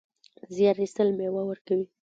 زیار ایستل مېوه ورکوي